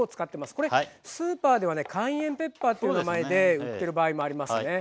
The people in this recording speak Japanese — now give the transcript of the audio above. これスーパーではねカイエンペッパーっていう名前で売ってる場合もありますね。